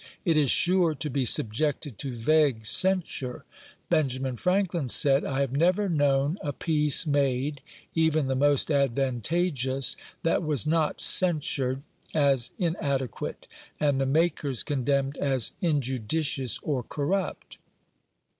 It is sure to be subjected to vague censure. Benjamin Franklin said, "I have never known a peace made, even the most advantageous, that was not censured as inadequate, and the makers condemned as injudicious or corrupt.